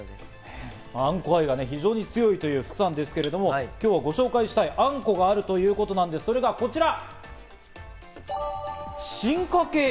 あんこ愛が非常に強いという福さんですが、今日はご紹介したいあんこがあるということです、それがこちら！